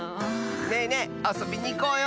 ねえねえあそびにいこうよ！